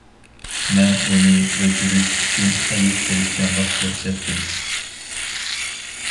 مەن ئۇنى ئۆچۈرۈش ئۈچۈن خىلى تىرىشچانلىق كۆرسەتتىم.